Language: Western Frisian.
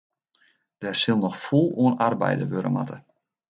Dêr sil noch fûl oan arbeide wurde moatte.